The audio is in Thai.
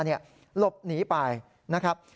หลบหนีไปนะครับ